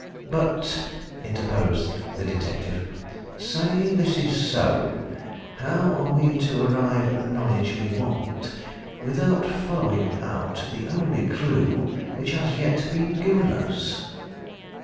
"But," interposed the detective, "say this is so; how are we to arrive at the knowledge we want without following out the only clue which has yet been given us?"